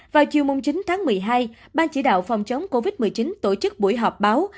vào chiều chín tháng một mươi hai ban chỉ đạo phòng chống covid một mươi chín tổ chức buổi họp báo